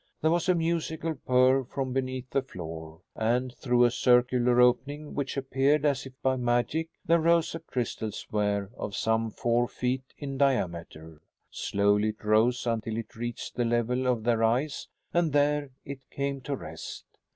There was a musical purr from beneath the floor, and, through a circular opening which appeared as if by magic, there rose a crystal sphere of some four feet in diameter. Slowly it rose until it reached the level of their eyes and there it came to rest.